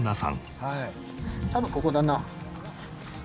多分ここだな。